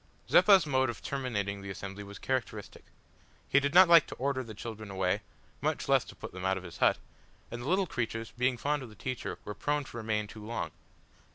Zeppa's mode of terminating the assembly was characteristic. He did not like to order the children away, much less to put them out of his hut, and the little creatures, being fond of the teacher, were prone to remain too long.